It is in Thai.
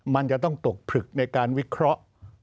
มันจะต้องตกผลึกในการวิเคราะห์